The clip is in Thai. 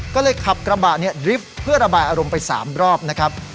ก็เลยขับกระบะเนี่ยดริฟท์เพื่อระบายอารมณ์ไป๓รอบนะครับ